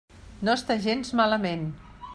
No està gens malament.